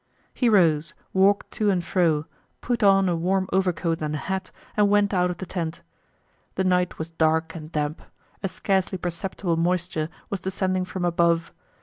He rose, walked to and fro, put on a warm overcoat and a hat, and went out of the tent. The night was dark and damp, a scarcely perceptible moisture was descending from above.